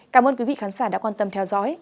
cảm ơn quý vị khán giả đã quan tâm theo dõi